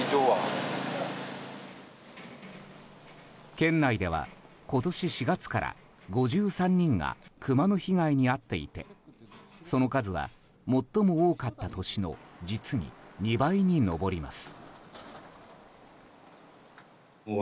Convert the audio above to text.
県内では今年４月から５３人がクマの被害に遭っていてその数は最も多かった年の実に２倍に上ります。